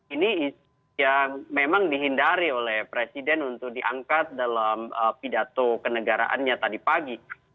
ini yang memang dihindari oleh presiden untuk diangkat dalam pidato kenegaraannya tadi pagi